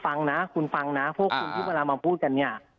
ฟังนะคุณฟังนะพวกคุณที่เวลามาพูดกันเนี่ย